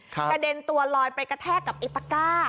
กระเด็นตัวลอยไปกัแท่กับตะก้า